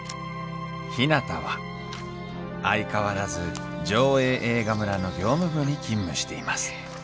ひなたは相変わらず条映映画村の業務部に勤務しています